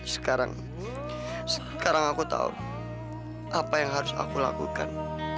sekarang sekarang aku tahu apa yang harus aku lakukan